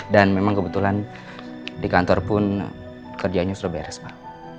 dan memang kebetulan di kantor pun kerjaannya sudah beres pak